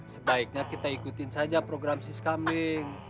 sebaiknya kita ikutin saja program sis kambing